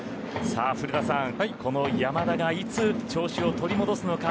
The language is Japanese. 古田さん、この山田がいつ調子を取り戻すのか。